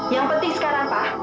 yang penting sekarang pak